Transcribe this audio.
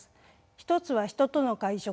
１つは人との会食